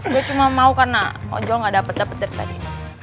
gue cuma mau karena ojol gak dapet dapet dari tadi